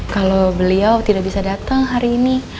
kalau beliau tidak bisa datang hari ini